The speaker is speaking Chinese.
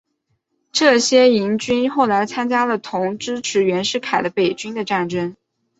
这些黔军后来参加了同支持袁世凯的北军的战争。